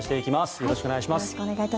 よろしくお願いします。